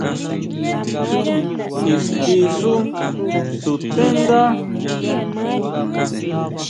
¿Ixtí xú sutendá?